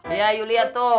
iya yulia tuh